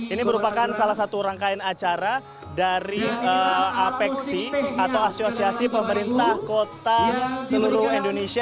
ini merupakan salah satu rangkaian acara dari apexi atau asosiasi pemerintah kota seluruh indonesia